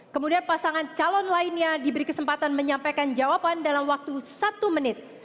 kemudian pasangan calon lainnya diberi kesempatan menyampaikan jawaban dalam waktu satu menit